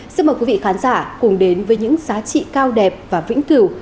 xin mời quý vị khán giả cùng đến với những giá trị cao đẹp và vĩnh cửu